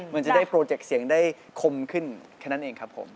มันจะได้โปรเจกต์เสียงได้คมขึ้นแค่นั้นเองครับผม